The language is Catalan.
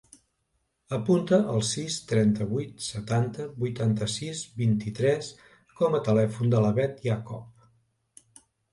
Apunta el sis, trenta-vuit, setanta, vuitanta-sis, vint-i-tres com a telèfon de la Beth Iacob.